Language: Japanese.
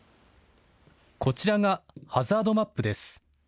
こちらがハザードマップです。